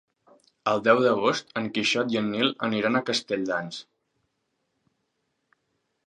El deu d'agost en Quixot i en Nil aniran a Castelldans.